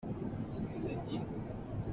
Mah hramh cu a sar.